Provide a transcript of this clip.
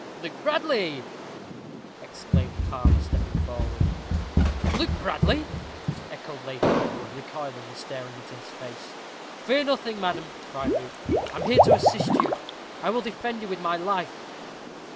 "Luke Bradley!" exclaimed Palmer, stepping forward. "Luke Bradley!" echoed Lady Rookwood, recoiling and staring into his face. "Fear nothing, madam," cried Luke. "I am here to assist you I will defend you with my life."